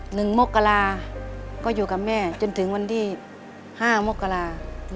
มกราก็อยู่กับแม่จนถึงวันที่ห้ามกรา